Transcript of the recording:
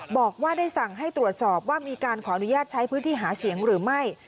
บอกว่าได้สั่งให้ตรวจสอบว่ามีการขออนุญาตใช้พื้นที่หาเสียงหรือไม่